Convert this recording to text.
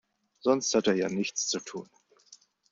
Sonst hat er ja nichts zu tun.